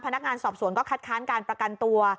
พนักงานสอบสวนก็คัดค้านการประกันตัว